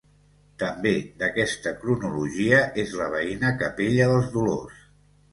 També d'aquesta cronologia és la veïna capella dels Dolors.